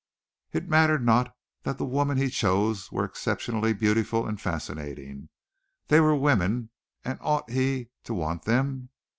It mattered not that the women he chose were exceptionally beautiful and fascinating. They were women, and ought he to want them?